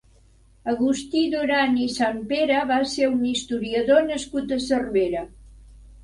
Agustí Duran i Sanpere va ser un historiador nascut a Cervera.